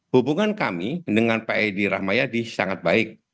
hubungan kami dengan pak edi rahmayadi sangat baik